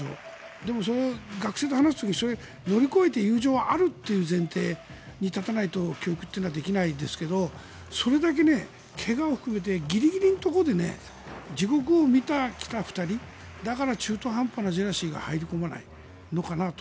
でも、学生と話す時それを乗り越えて友情があるという前提に立たないと教育っていうのはできないですがそれだけ、怪我を含めてギリギリのところで地獄を見てきた２人だから、中途半端なジェラシーが入り込まないのかなと。